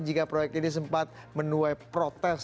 jika proyek ini sempat menuai protes